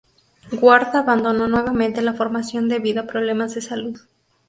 Ward abandonó nuevamente la formación debido a problemas de salud.